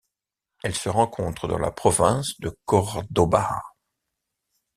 Elle se rencontre dans la province de Córdoba.